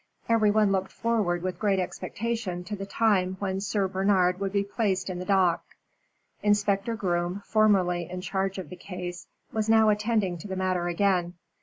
Every one looked forward with great expectation to the time when Sir Bernard would be placed in the dock. Inspector Groom, formerly in charge of the case, was now attending to the matter again.